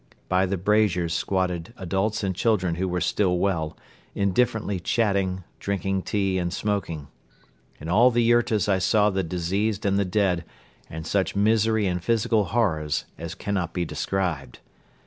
By the braziers squatted adults and children who were still well, indifferently chatting, drinking tea and smoking. In all the yurtas I saw the diseased and the dead and such misery and physical horrors as cannot be described.